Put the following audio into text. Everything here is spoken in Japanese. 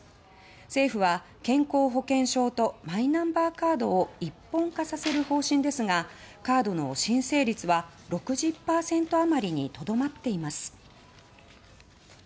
政府は健康保険証とマイナンバーカードを一本化させる方針ですがカードの申請率は６０％余りにとどまっています。